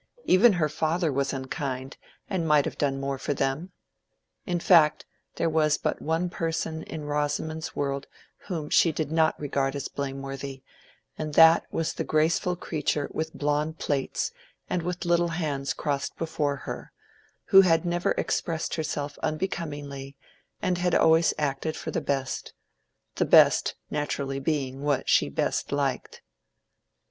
Even her father was unkind, and might have done more for them. In fact there was but one person in Rosamond's world whom she did not regard as blameworthy, and that was the graceful creature with blond plaits and with little hands crossed before her, who had never expressed herself unbecomingly, and had always acted for the best—the best naturally being what she best liked.